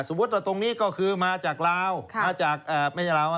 สมมุติว่าตรงนี้ก็คือมาจากลาวค่ะมาจากเอ่อไม่ใช่ลาวอ่ะ